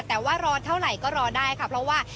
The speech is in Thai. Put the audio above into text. แต่ว่ารอเท่าไหร่ก็รอได้ค่ะเพราะว่า